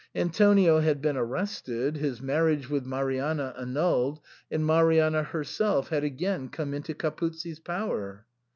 Antonio had been arrested, his marriage with Marianna annulled, and Marianna herself had again come into Capuzzi's power.